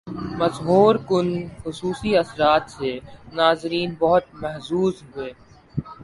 مسحور کن خصوصی اثرات سے ناظرین بہت محظوظ ہوئے